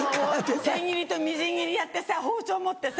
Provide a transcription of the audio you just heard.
千切りとみじん切りやってさ包丁持ってさ。